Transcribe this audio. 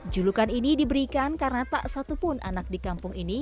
julukan ini diberikan karena tak satupun anak di kampung ini